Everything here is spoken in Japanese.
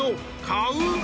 買う？